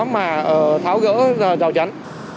mà tháo gỡ rào chắn